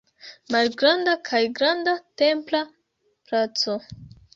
Malgranda kaj Granda templa placo.